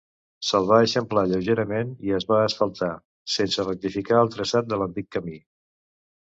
Se'l va eixamplar lleugerament i es va asfaltar, sense rectificar el traçat de l'antic camí.